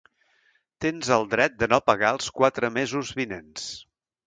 Tens el dret de no pagar els quatre mesos vinents.